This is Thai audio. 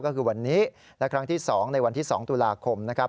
ก็คือวันนี้และครั้งที่๒ในวันที่๒ตุลาคมนะครับ